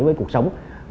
với cuộc sống